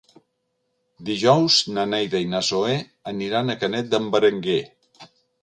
Dijous na Neida i na Zoè aniran a Canet d'en Berenguer.